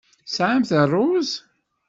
Tesɛamt ṛṛuz?